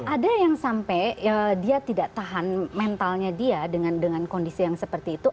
ada yang sampai dia tidak tahan mentalnya dia dengan kondisi yang seperti itu